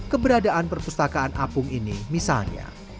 keberadaan perpustakaan apung ini misalnya